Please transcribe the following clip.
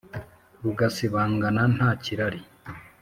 Rugasibangana ntakirari